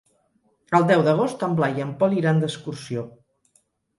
El deu d'agost en Blai i en Pol iran d'excursió.